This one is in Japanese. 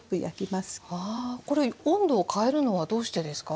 これ温度を変えるのはどうしてですか？